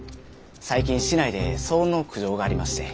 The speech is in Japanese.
最近市内で騒音の苦情がありまして。